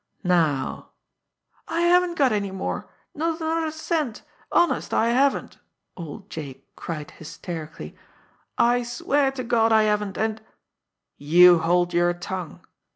Now " "I haven't got any more not another cent! Honest, I haven't!" old Jake cried hysterically. "I swear to God, I haven't, and " "You hold your tongue!"